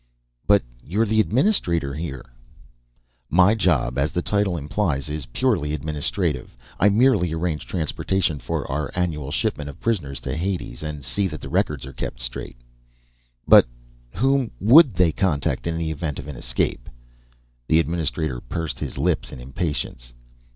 "But you're the administrator here." "My job, as the title implies, is purely administrative. I merely arrange transportation for our annual shipment of prisoners to Hades, and see that the records are kept straight." "But whom would they contact in the event of an escape?" The administrator pursed his lips in impatience.